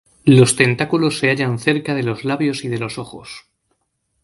Los tentáculos se hallan cerca de los labios y de los ojos.